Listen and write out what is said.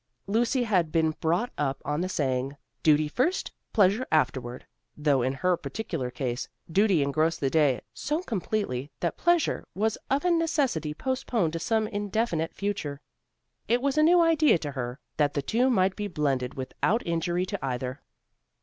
Lucy had been brought up on the saying, 'duty first, pleasure afterward,' though in her particular case, duty engrossed the day so completely that pleasure was of a necessity postponed to some indefinite future. It was a new idea to her that the two might be blended without injury to either.